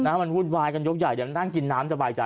มันหุ่นวายกันยกใหญ่นั่งกินน้ำสบายใจ